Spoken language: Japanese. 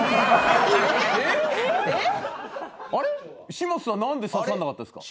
嶋佐さんなんで刺さらなかったですか？